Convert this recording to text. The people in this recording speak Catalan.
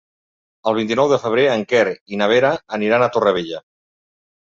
El vint-i-nou de febrer en Quer i na Vera aniran a Torrevella.